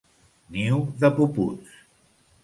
Niu de puputs.